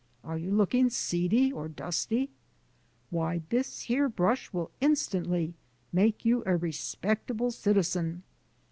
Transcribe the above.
Are you looking seedy or dusty? why, this here brush will instantly make you a respectable citizen.